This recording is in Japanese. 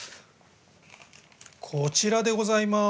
こちらでございます！